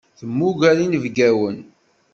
Temmuger inebgawen.